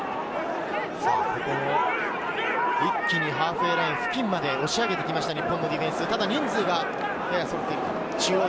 一気にハーフウェイライン付近まで押し上げてきました、日本のディフェンス。